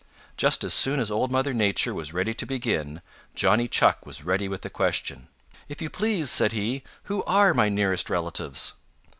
Just as soon as Old Mother Nature was ready to begin, Johnny Chuck was ready with a question. "If you please," said he, "who are my nearest relatives?"